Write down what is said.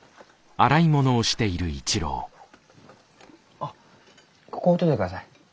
あっここ置いといて下さい。